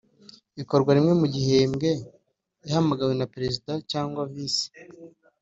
ikorwa rimwe mu gihembwe ihamagawe na perezida cyangwa visi